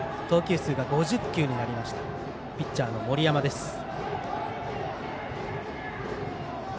投球数が５０球になりましたピッチャーの森山です。